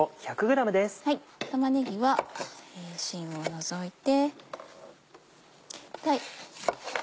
玉ねぎはしんを除いて。